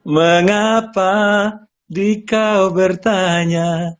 mengapa dikau bertanya